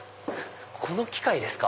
この機械ですか？